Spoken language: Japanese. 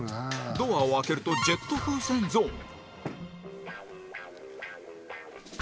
ドアを開けるとジェット風船ゾーン